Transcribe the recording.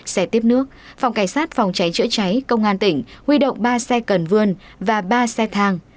xe tiếp nước phòng cảnh sát phòng cháy chữa cháy công an tỉnh huy động ba xe cần vươn và ba xe thang